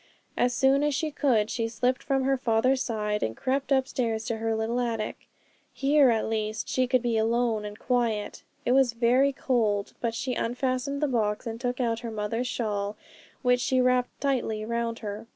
As soon as she could, she slipped from her father's side, and crept upstairs to her little attic. Here at least she could be alone and quiet. It was very cold, but she unfastened the box and took out her mother's shawl, which she wrapped tightly round her.